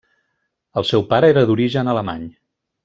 El seu pare era d'origen alemany.